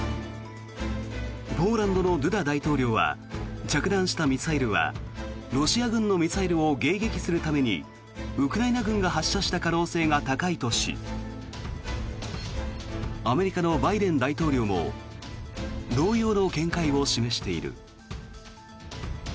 ポーランドのドゥダ大統領は着弾したミサイルはロシア軍のミサイルを迎撃するためにウクライナ軍が発射した可能性が高いとしアメリカのバイデン大統領も同様の見解を示している。